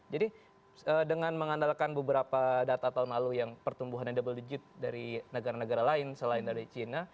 jadi dengan mengandalkan beberapa data tahun lalu yang pertumbuhannya double digit dari negara negara lain selain dari china